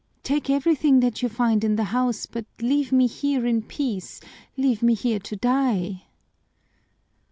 Take everything that you find in the house, but leave me here in peace, leave me here to die!"